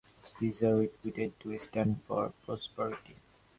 These are reputed to stand for prosperity.